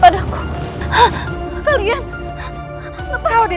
aku sudah berhasil